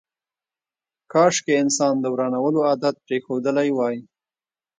کاشکي انسان د ورانولو عادت پرېښودلی وای.